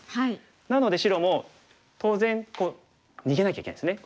なので白も当然逃げなきゃいけないですね。